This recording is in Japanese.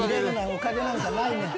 おかげなんかないねん。